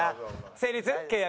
成立？契約。